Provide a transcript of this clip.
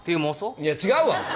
いや違うわ！